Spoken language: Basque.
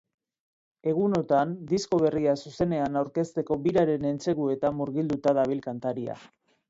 Egunotan, disko berria zuzenean aurkezteko biraren entseguetan mugilduta dabil kantaria.